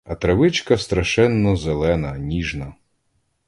А травичка страшенно зелена, ніжна!